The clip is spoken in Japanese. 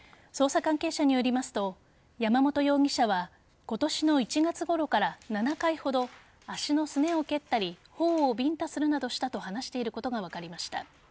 捜査関係者によりますと山本容疑者は今年の１月ごろから７回ほど足のすねを蹴ったり頬をビンタするなどしたと話していることが分かりました。